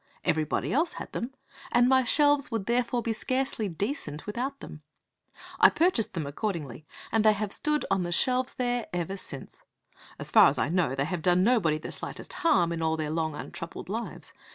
Everybody else had them; and my shelves would therefore be scarcely decent without them. I purchased them, accordingly, and they have stood on the shelves there ever since. As far as I know they have done nobody the slightest harm in all their long untroubled lives.